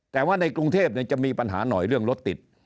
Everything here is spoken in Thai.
แต่ว่าในกรุงเทพจะมีปัญหาหน่อยเรื่องรถติด